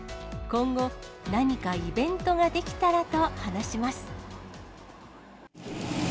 今後、何かイベントができたらと話します。